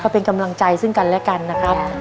เป็นกำลังใจซึ่งกันและกันนะครับ